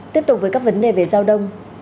tiếp tục với các vấn đề về giao đông